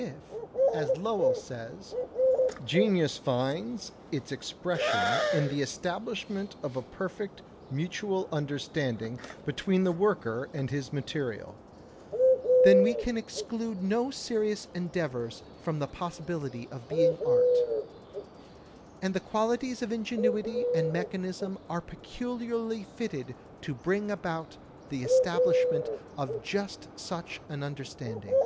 If, as Lowell says, "genius finds its expression in the estab lishment of a perfect mutual understanding between the worker and his material," then we can exclude no serious endeavors from the possibility of being art. And the qualities of ingenuity and mechanism are pecul iarly fitted to bring about the establishment of just such an understanding.